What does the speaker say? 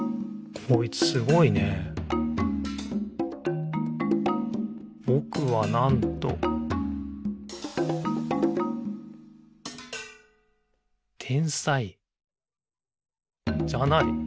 こいつすごいね「ぼくは、なんと・・」「天才」じゃない！？